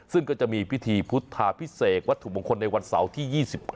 ซึ่งก็จะมีพิธีพุทธาพิเศษวัตถุมงคลในวันเสาร์ที่๒๙